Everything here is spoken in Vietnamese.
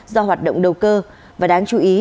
do hoạt động đầu cơ và đáng chú ý